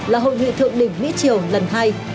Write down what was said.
là hội nghị thượng đỉnh mỹ triều lần hai